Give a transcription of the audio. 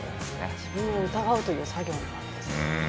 自分を疑うという作業なんですね。